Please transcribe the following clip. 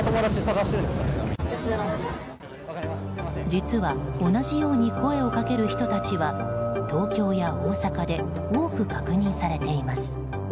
実は、同じように声をかける人たちは東京や大阪で多く確認されています。